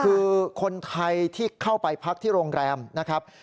คือคนไทยที่เข้าไปพักที่โรงแรมนะครับ